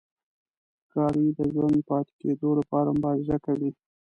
ښکاري د ژوندي پاتې کېدو لپاره مبارزه کوي.